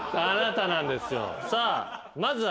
さあまずは。